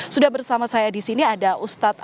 sudah bersama saya di sini ada ustadz